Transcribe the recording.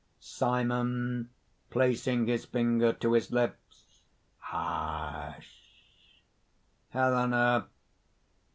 SIMON (placing his finger to his lips: ) "Hush!" HELENA.